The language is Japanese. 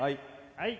はい。